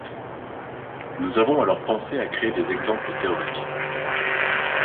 Nous avons alors pensé à créer des exemples théoriques.